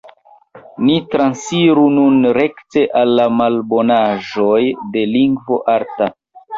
Ni transiru nun rekte al la malbonaĵoj de lingvo arta.